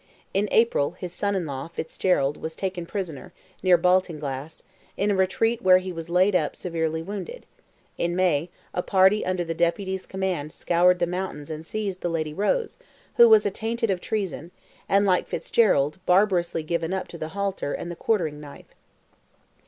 In April, his son in law, Fitzgerald, was taken prisoner, near Baltinglass, in a retreat where he was laid up severely wounded; in May, a party under the Deputy's command scoured the mountains and seized the Lady Rose, who was attainted of treason, and, like Fitzgerald, barbarously given up to the halter and the quartering knife.